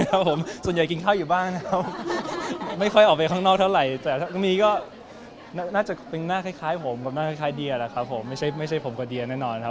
ครับผมส่วนใหญ่กินข้าวอยู่บ้างนะครับไม่ค่อยออกไปข้างนอกเท่าไหร่แต่ก็มีก็น่าจะเป็นหน้าคล้ายผมกับหน้าคล้ายเดียแหละครับผมไม่ใช่ผมกับเดียแน่นอนครับ